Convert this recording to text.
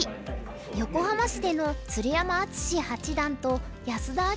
横浜市での鶴山淳志八段と安田明